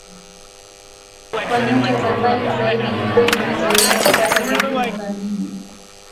Kwa nyota za mbali zaidi ni vigumu zaidi kupata vipimo kamili.